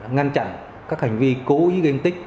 ngăn chặn các hành vi cố ý gây tích